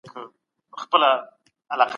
نړیوال تعامل د علمي لاسته راوړنو لپاره اړین دی.